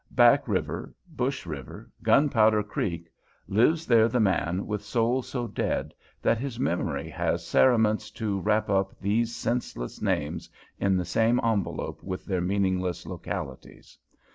Back River, Bush River, Gunpowder Creek, lives there the man with soul so dead that his memory has cerements to wrap up these senseless names in the same envelopes with their meaningless localities?